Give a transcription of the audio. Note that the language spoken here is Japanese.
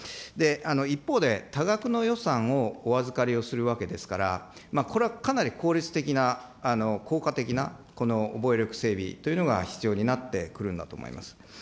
一方で、多額の予算をお預かりをするわけですから、これはかなり効率的な、効果的な防衛力整備というのが必要になってくるんだと思います。